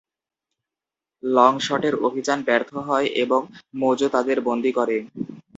লংশটের অভিযান ব্যর্থ হয় এবং মোজো তাদের বন্দী করে।